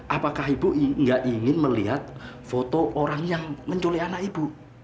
apakah ibu nggak ingin melihat foto orang yang menculik anak ibu